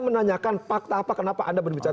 menanyakan fakta apa kenapa anda berbicara